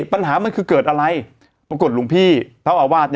ปัญหามันคือเกิดอะไรปรากฏหลวงพี่เจ้าอาวาส